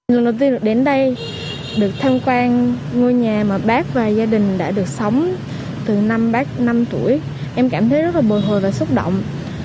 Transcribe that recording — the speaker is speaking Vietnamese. lần đầu tiên được đến đây được tham quan ngôi nhà mà bác và gia đình đã được sống từ năm bác năm tuổi em cảm thấy rất là bồi hồi và xúc động